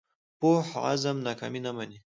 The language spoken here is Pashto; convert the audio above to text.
پوخ عزم ناکامي نه مني